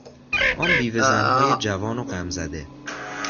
آن بیوه زنهای جوان و غم زده